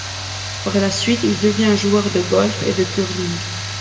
Par la suite, il devint joueur de golf et de curling.